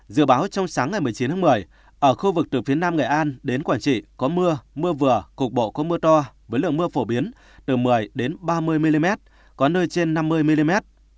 dự báo trong sáng ngày một mươi chín tháng một mươi ở khu vực từ phía nam nghệ an đến quảng trị có mưa mưa vừa cục bộ có mưa to với lượng mưa phổ biến từ một mươi ba mươi mm có nơi trên năm mươi mm